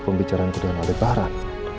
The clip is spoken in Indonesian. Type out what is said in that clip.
pembicaraanku dari alat barat